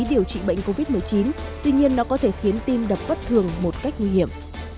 điều trị bệnh covid một mươi chín tuy nhiên nó có thể khiến tim đập bất thường một cách nguy hiểm